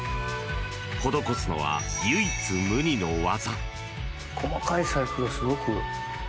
施すのは、唯一無二の技。